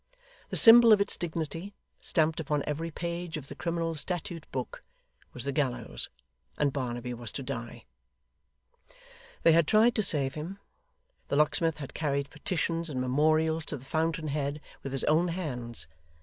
The symbol of its dignity, stamped upon every page of the criminal statute book, was the gallows; and Barnaby was to die. They had tried to save him. The locksmith had carried petitions and memorials to the fountain head, with his own hands.